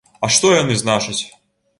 А што яны значаць?